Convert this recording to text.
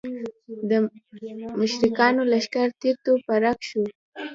د مشرکانو لښکر تیت و پرک شو.